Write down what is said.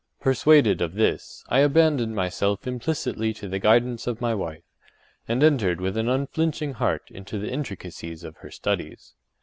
Persuaded of this, I abandoned myself implicitly to the guidance of my wife, and entered with an unflinching heart into the intricacies of her studies.